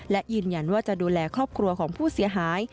และยืนยันว่าจะดูแลครอบครัวของผู้เสียหาย